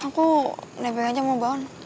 aku nebeng aja sama baon